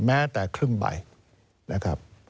แม้แต่ครึ่งใบนะครับ